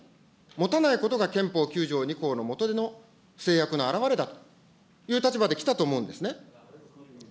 持たないことが、憲法９条２項の下での制約の表れだという立場できたと思うんですね。